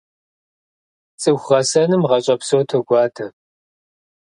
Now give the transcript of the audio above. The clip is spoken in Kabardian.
ЦӀыху гъэсэным гъащӀэ псо токӀуадэ.